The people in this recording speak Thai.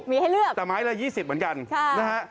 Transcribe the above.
มีให้เลือกแต่ไม้ละ๒๐เหมือนกันนะฮะ